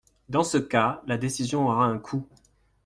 Dans ce cas, la décision aura un coût.